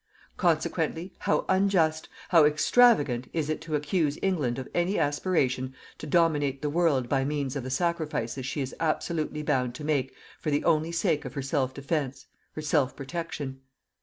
Consequently how unjust, how extravagant, is it to accuse England of any aspiration to dominate the world by means of the sacrifices she is absolutely bound to make for the only sake of her self defence, her self protection.